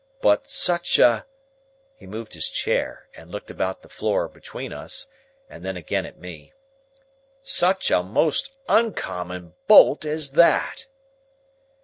But such a—" he moved his chair and looked about the floor between us, and then again at me—"such a most oncommon Bolt as that!"